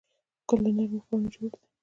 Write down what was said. ګل له نرمو پاڼو جوړ دی.